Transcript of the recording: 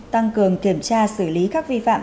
tăng cường kiểm tra xử lý các vi phạm